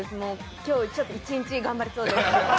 今日一日、頑張れそうです。